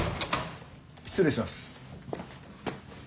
失礼します。